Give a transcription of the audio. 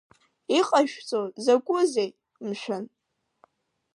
Иҟашәҵо закәзеи, мшәан!